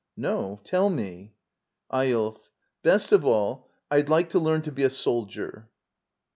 No; tell me. Eyolf. Best of all, Fd like to learn to be a soldier.